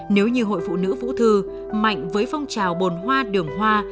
nếu như hội phụ nữ vũ thư mạnh với phong trào bồn hoa đường hoa